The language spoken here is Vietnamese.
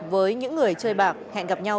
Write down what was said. với những người chơi bạc hẹn gặp nhau